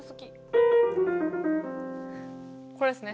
これですね。